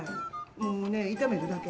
もうね炒めるだけ。